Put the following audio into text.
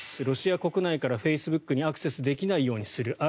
ロシア国内からフェイスブックにアクセスできないようにする。